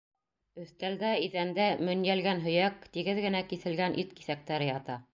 Өҫтәлдә, иҙәндә мөнйәлгән һөйәк, тигеҙ генә киҫелгән ит киҫәктәре ята.